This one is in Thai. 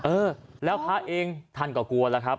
เออแล้วพระเองท่านก็กลัวแล้วครับ